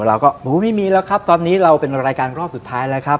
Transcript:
เราก็ไม่มีแล้วครับตอนนี้เราเป็นรายการรอบสุดท้ายแล้วครับ